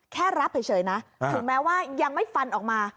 แค่รับเฉยนะถึงแม้ว่ายังไม่ฟันออกมา